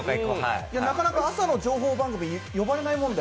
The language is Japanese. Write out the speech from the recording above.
なかなか朝の情報番組呼ばれないもので。